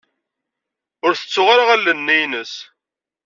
Ur tettuɣ ara allen-nni-ines.